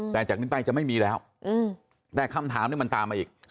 แต่จากนี้ไปจะไม่มีแล้วแต่คำถามนี่มันตามมาอีก